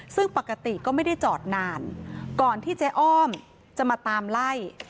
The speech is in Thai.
ซึ่งปกติก็ไม่ได้จอดนานก่อนที่เจ๊อ้อมจะมาตามไล่